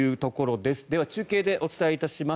では、中継でお伝えいたします。